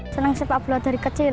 senang sepakbola dari kecil